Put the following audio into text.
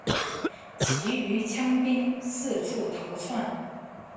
其余羌兵四处逃窜。